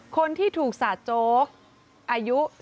คนที่ถูกสาดโจ๊กอายุ